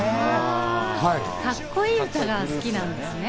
カッコいい歌が好きなんですね。